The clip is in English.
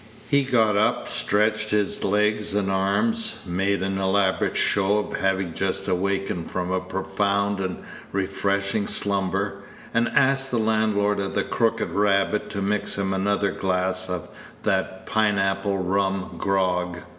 He got up, stretched his legs and arms, made an elaborate show of having just awakened from a profound and refreshing slumber, and asked the landlord of the "Crooked Rabbit" to mix him another glass of that pineapple rum grog.